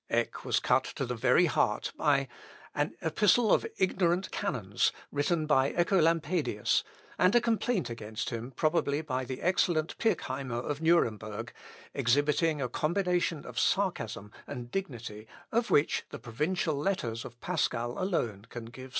Eck was cut to the very heart by "An Epistle of Ignorant Canons," written by Œcolompadius, and a complaint against him probably by the excellent Pirckheimer of Nuremberg, exhibiting a combination of sarcasm and dignity of which the 'Provincial Letters' of Pascal alone can give some idea.